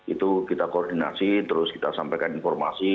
itu kita koordinasi terus kita sampaikan informasi